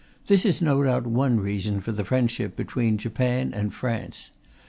This is no doubt one reason for the friendship between Japan and France.